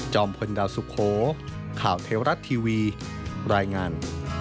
พลดาวสุโขข่าวเทวรัฐทีวีรายงาน